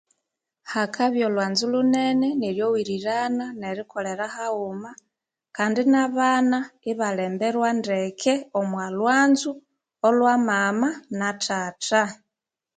Hakabwaolwanzu lhunene neryowirirana nerikolherahawuma Kandi nabana ebalheberwandeke omwalhwanzo lhwamamanathatha